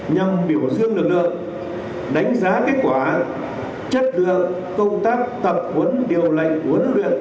nhằm biểu dương lực lượng đánh giá kết quả chất lượng công tác tập huấn điều lệnh huấn luyện